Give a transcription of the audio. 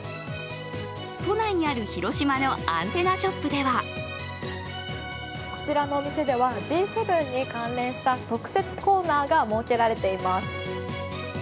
都内にある広島のアンテナショップではこちらのお店ではＧ７に関連した特設コーナーが設けられています。